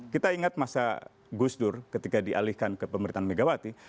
kita ingat masa gus dur ketika dialihkan ke pemerintahan megawati